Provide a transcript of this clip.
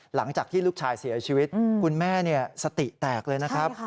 หลังจากที่ลูกชายเสียชีวิตคุณแม่สติแตกเลยนะครับ